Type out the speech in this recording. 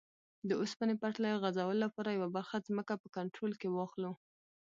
د اوسپنې پټلۍ غځولو لپاره یوه برخه ځمکه په کنټرول کې واخلو.